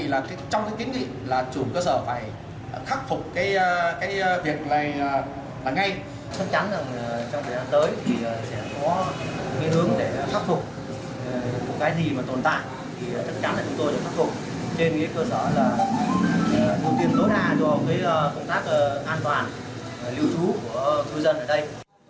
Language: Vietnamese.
chắc chắn là trong thời gian tới thì sẽ có cái hướng để khắc phục một cái gì mà tồn tại thì chắc chắn là chúng tôi sẽ khắc phục trên cái cơ sở là đầu tiên đối hành với công tác an toàn lưu trú của người dân ở đây